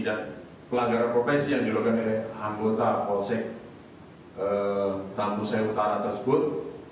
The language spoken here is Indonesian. dan pelanggaran profesi yang dilakukan oleh anggota polsek tambusai utara tersebut